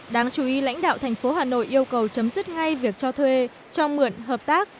đáng chú ý lãnh đạo thành phố hà nội yêu cầu chấm dứt ngay việc cho thuê cho mượn hợp tác